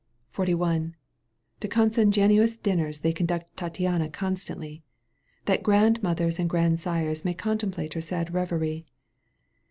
XLL To consanguineous dinners they Conduct Tattiana constantly. That grandmothers and grandsires may Contemplate her sad reverie.